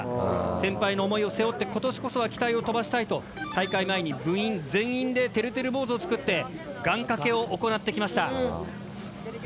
先輩の想いを背負って今年こそは機体を飛ばしたいと大会前に部員全員でてるてる坊主を作って願掛けを行ってきました。